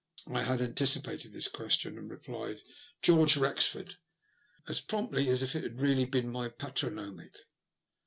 I had anticipated this question, and replied " George Wrexford " as promptly as if it had really been my patronymic.